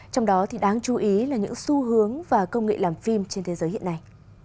trong đó đáng chú ý là những xu hướng và công nghệ làm phim trên thế giới hiện nay